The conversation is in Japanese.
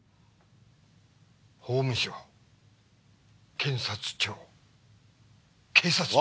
法務省検察庁警察庁。